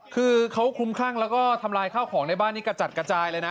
คือเขาคลุมคลั่งแล้วก็ทำลายข้าวของในบ้านนี้กระจัดกระจายเลยนะ